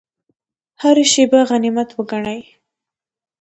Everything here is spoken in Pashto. هره شیبه غنیمت وګڼئ